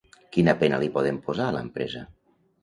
Quina pena li poden posar a l'empresa?